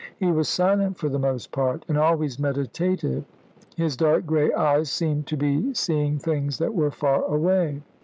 He was silent for the most part, and always meditative. His dark grey eyes seemed to be seeing things that were far away.